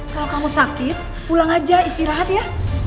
kalau kamu sakit pulang aja istirahat ya